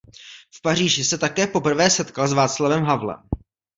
V Paříži se také poprvé setkal s Václavem Havlem.